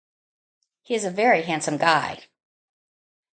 He is a very handsome guy.